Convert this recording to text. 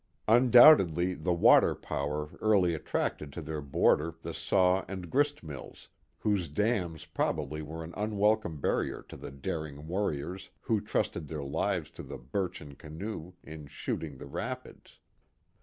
Undoubtedly the water power early at tracted to their border the saw and grist mills, whose dams probably were an unwelcome barrier to the daring warriors who trusted their livci to the birchen canoe in shooting the rapids.